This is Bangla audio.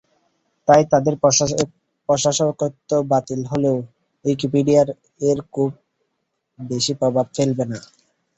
তাই তাদের প্রশাসকত্ব বাতিল হলেও উইকিপিডিয়ায় এর খুব বেশি প্রভাব ফেলবে না।